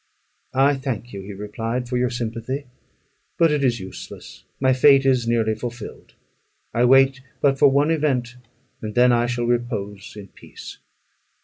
"I thank you," he replied, "for your sympathy, but it is useless; my fate is nearly fulfilled. I wait but for one event, and then I shall repose in peace.